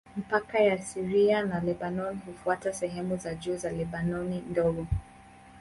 Mpaka wa Syria na Lebanoni hufuata sehemu za juu za Lebanoni Ndogo.